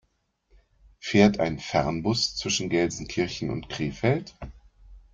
Fährt ein Fernbus zwischen Gelsenkirchen und Krefeld?